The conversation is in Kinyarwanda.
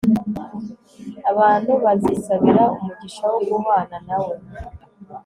abantu bazisabira umugisha wo guhwana na we